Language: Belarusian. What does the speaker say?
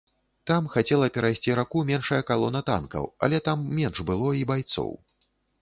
Там хацела перайсці раку меншая калона танкаў, але там менш было і байцоў.